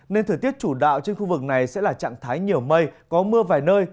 nên thời tiết chủ đạo trên khu vực này sẽ là trạng thái nhiều mây có mưa vài nơi